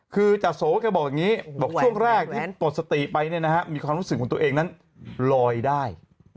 คือจัดโสฮะก็บอกอย่างงี้บอกช่วงแรกตรวจสติไปน่ะนะฮะมีความฟรึกตัวเองนั้นลอยได้